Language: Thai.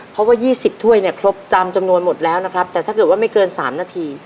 เพราะว่า๒๐ถ้วยเนี่ยครบจำจำนวนหมดแล้วนะครับแต่ถ้าเกิดว่าไม่เกิน๓นาที